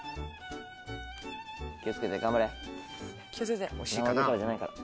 気を付けて頑張れ生魚じゃないから。